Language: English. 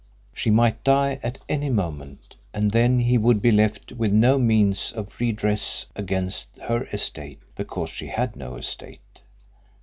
She might die at any moment, and then he would be left with no means of redress against her estate because she had no estate.